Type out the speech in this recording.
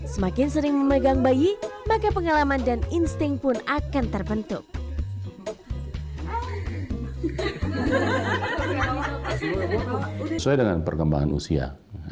semakin sering memegang bayi maka pengalaman dan insting pun akan terbentuk